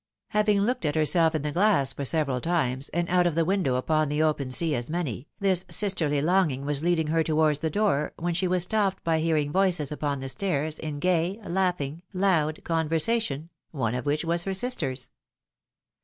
Having looked at herself ia the glass four several times, and out of the window upon the open sea as many, this sisterly longing was leading her towards the door, when she was stopped by hearing voices upon the stairs in gay, laughing, loud con versation, one of which was her sister's.